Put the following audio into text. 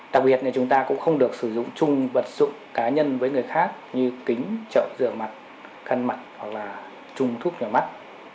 đặc biệt thì chúng ta cũng không được sử dụng chung vật dụng cá nhân với người khác như kính trậu rửa mặt khăn mặt hoặc là chung thuốc nhỏ mắt